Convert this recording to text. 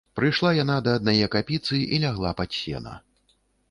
Прыйшла яна да аднае капіцы і лягла пад сена.